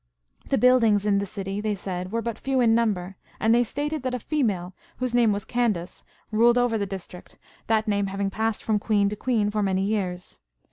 The buildings in the citr, they said, were but few in number, and they stated that 'a female, whose name was Candace, ruled over the district, that name having passed fi'om queen to queen for many years.